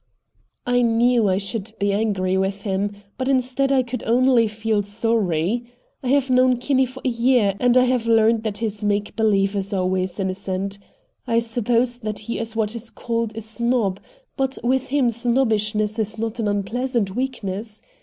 I knew I should be angry with him, but instead I could only feel sorry. I have known Kinney for a year, and I have learned that his "make believe" is always innocent. I suppose that he is what is called a snob, but with him snobbishness is not an unpleasant weakness.